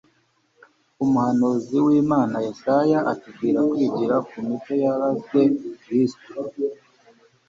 umuhanuzi w'imana yesaya atubwira kwigira ku mico yaranze kristo